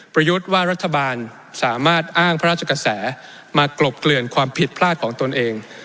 ประยุทธ์ว่ารัฐบาลสามารถอ้างพระราชกระแสมากลบเกลื่อนความผิดพลาดของตนเอง